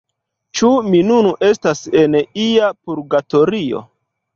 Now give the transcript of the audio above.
Ĉu mi nun estas en ia purgatorio?